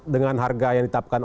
dengan harga yang ditapkan